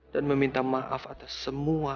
dan meminta maaf atas semua